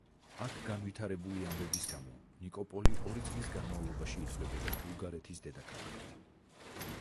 აქ განვითარებული ამბების გამო ნიკოპოლი ორი წლის განმავლობაში ითვლება ბულგარეთის დედაქალაქად.